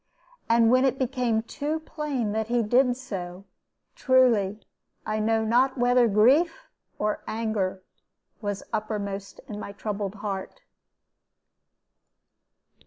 And when it became too plain that he did so, truly I know not whether grief or anger was uppermost in my troubled heart.